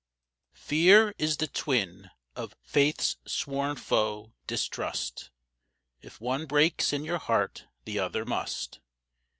FEAR is the twin of Faith's sworn foe, Distrust. If one breaks in your heart the other must.